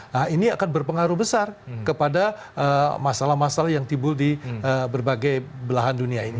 nah ini akan berpengaruh besar kepada masalah masalah yang timbul di berbagai belahan dunia ini